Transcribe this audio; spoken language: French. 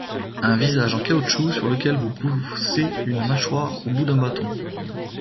Un visage en caoutchouc sur lequel vous poussez une mâchoire au bout d’un bâton.